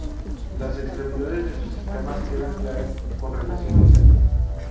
Las extremidades de sus escamas quedan claras con relación al centro.